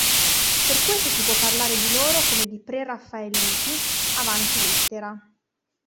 Per questo si può parlare di loro come di "preraffaelliti avanti lettera".